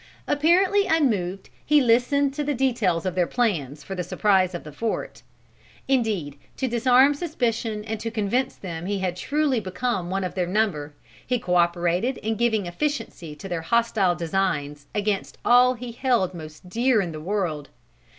Apparently unmoved, he listened to the details of their plans for the surprise of the fort. Indeed, to disarm suspicion and to convince them that he had truly become one of their number, he co operated in giving efficiency to their hostile designs against all he held most dear in the world.